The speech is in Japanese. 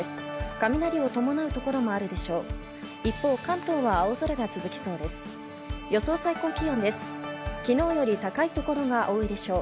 雷を伴うところもあるでしょう。